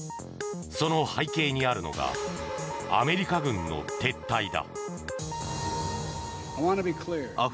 その背景にあるのがアメリカ軍の撤退だ。